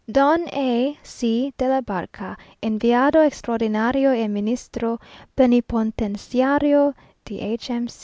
"Don A C de la B , Enviado Extraordinario y Ministro Plenipotenciario de H. M.